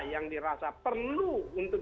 yang dirasa perlu untuk